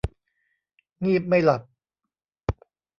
งีบไม่หลับ